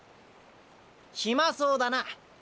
暇そうだな。